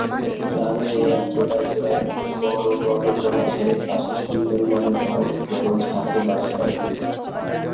গ্রামে এরা জোড়ায় জোড়ায় থাকে; বড়ো বড়ো জলাশয়ের পাশে এবং সুন্দরবনে বড়ো বড়ো ঝাঁকে বাস করে।